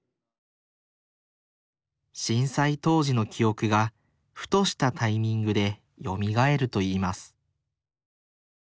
震災当時の記憶がふとしたタイミングでよみがえるといいます